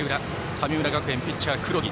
神村学園、ピッチャー、黒木。